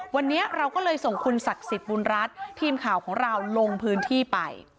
วันนี้เราก็เลยส่งคุณศักดิ์สิทธิ์บุญรัฐทีมข่าวของเราลงพื้นที่ไป